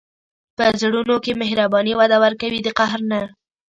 په زړونو کې مهرباني وده ورکوي، د قهر نه.